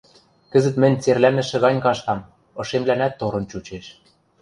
— Кӹзӹт мӹнь церлӓнӹшӹ гань каштам, ышемлӓнӓт торын чучеш...